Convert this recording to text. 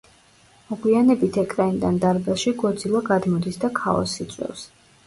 მოგვიანებით ეკრანიდან დარბაზში გოძილა გადმოდის და ქაოსს იწვევს.